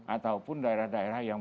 ataupun daerah daerah yang